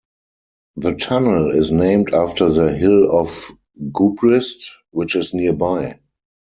The tunnel is named after the hill of Gubrist, which is nearby.